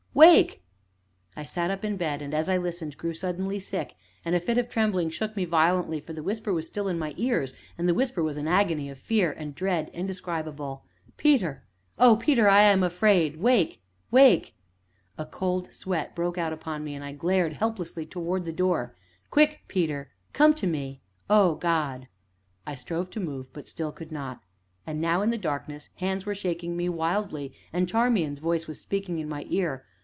wake!" I sat up in bed, and, as I listened, grew suddenly sick, and a fit of trembling shook me violently, for the whisper was still in my ears, and in the whisper was an agony of fear and dread indescribable. "Peter! oh, Peter, I am afraid! wake! wake!" A cold sweat broke out upon me and I glared helplessly, towards the door. "Quick, Peter! come to me oh, God!" I strove to move, but still I could not. And now, in the darkness, hands were shaking me wildly, and Charmian's voice was speaking in my ear.